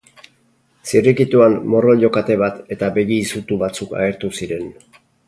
Zirrikituan morroilo-kate bat eta begi izutu batzuk agertu ziren.